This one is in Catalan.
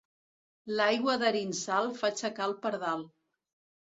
L'aigua d'Arinsal fa aixecar el pardal.